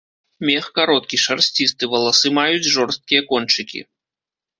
Мех кароткі, шарсцісты, валасы маюць жорсткія кончыкі.